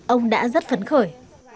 ông đã rất phấn khởi